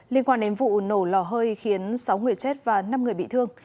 liên quan đến vụ nổ lò hơi khiến sáu người chết và năm người bị thương